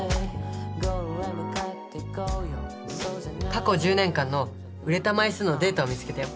過去１０年間の売れた枚数のデータを見つけたよ。